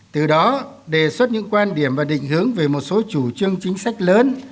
từ đó đề xuất những quan điểm và định hướng về một số chủ trương chính sách lớn